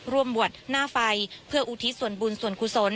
บวชหน้าไฟเพื่ออุทิศส่วนบุญส่วนกุศล